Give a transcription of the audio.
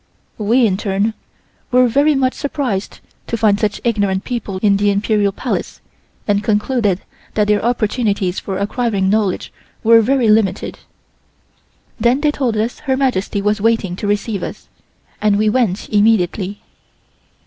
We in turn were very much surprised to find such ignorant people in the Imperial Palace and concluded that their opportunities for acquiring knowledge were very limited. Then they told us Her Majesty was waiting to receive us, and we went immediately.